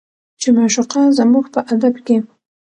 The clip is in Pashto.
چې معشوقه زموږ په ادب کې